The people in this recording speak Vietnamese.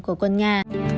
của quân nga